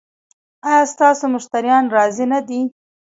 ایا ستاسو مشتریان راضي نه دي؟